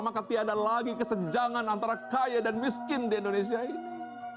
maka tiada lagi kesenjangan antara kaya dan miskin di indonesia ini